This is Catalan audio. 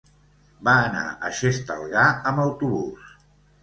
Va anar a Xestalgar amb autobús.